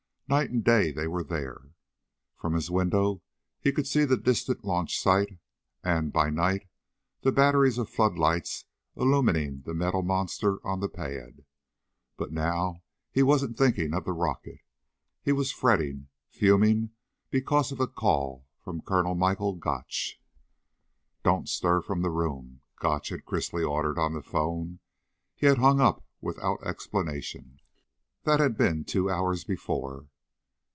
Night and day they were there. From his window he could see the distant launch site and, by night, the batteries of floodlights illumining the metal monster on the pad. But now he wasn't thinking of the rocket. He was fretting; fuming because of a call from Colonel Michael Gotch. "Don't stir from the room," Gotch had crisply ordered on the phone. He had hung up without explanation. That had been two hours before.